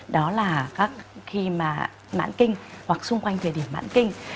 đó là khi mà mãn kinh hoặc xung quanh thời điểm mãn kinh